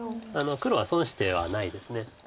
黒は損してはないです。